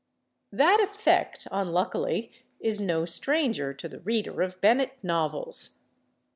That effect, unluckily, is no stranger to the reader of Bennett novels.